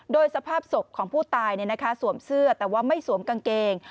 โดยสภาพศพของผู้ตายสวมเสื้อแต่ว่าไม่สวมกางเกง